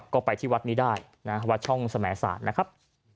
ก็ไปที่วัดนี้ได้นะวัดช่องสมสารนะครับ